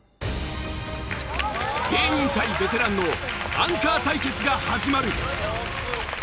芸人対ベテランのアンカー対決が始まる！